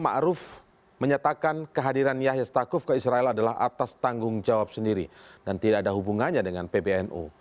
ma'ruf menyatakan kehadiran yahya khalilistakuf ke israel adalah atas tanggung jawab sendiri dan tidak ada hubungannya dengan pbnu